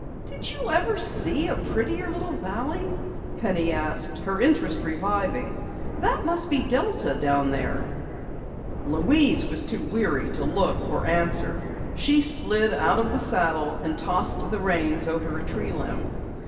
"Did you ever see a prettier little valley?" Penny asked, her interest reviving. "That must be Delta down there." Louise was too weary to look or answer. She slid out of the saddle and tossed the reins over a tree limb.